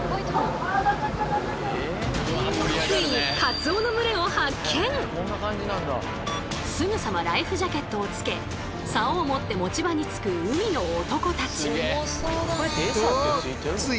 ついにすぐさまライフジャケットをつけ竿を持って持ち場につく海の男たち！